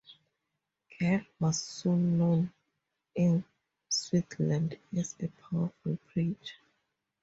Gall was soon known in Switzerland as a powerful preacher.